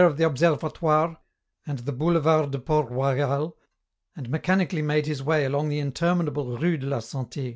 45 of the Observatoire, and the Boulevard de Port Royal, and mechanically made his way along the interminable Rue de la Sant^.